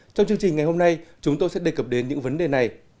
trong chương trình ngày hôm nay chúng tôi sẽ đề cập đến những vấn đề này